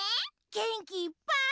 げんきいっぱい。